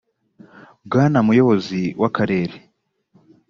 bwana muyobozi w akarere